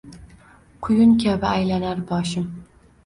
Quyun kabi aylanar boshim